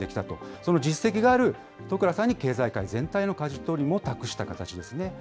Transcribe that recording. その実績がある十倉さんに経済界全体のかじ取りも託した形ですね。